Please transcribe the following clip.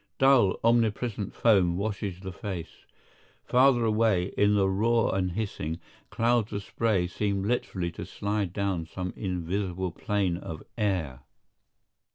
Dull omnipresent foam washes the face. Farther away, in the roar and hissing, clouds of spray seem literally to slide down some invisible plane of air.